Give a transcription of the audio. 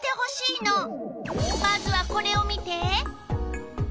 まずはこれを見て！